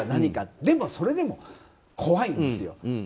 でもそれでも怖いんですよ。